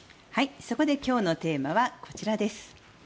そこで今日のテーマはこちらです。